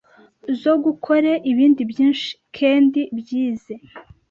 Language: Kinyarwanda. zo gukore ibindi byinshi kendi byize”.